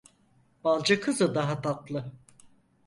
Balcı kızı daha tatlı.